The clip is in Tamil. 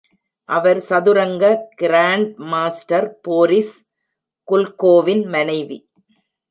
அவர் சதுரங்க கிராண்ட்மாஸ்டர் போரிஸ் குல்கோவின் மனைவி.